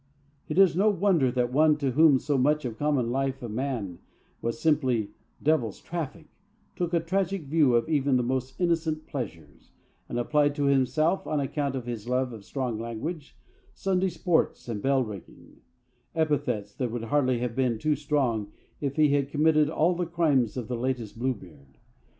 It is no wonder that one to whom so much of the common life of man was simply Devil's traffic took a tragic view of even the most innocent pleasures, and applied to himself, on account of his love of strong language, Sunday sports and bell ringing, epithets that would hardly have been too strong if he had committed all the crimes of the latest Bluebeard.